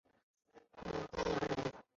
丹阳人。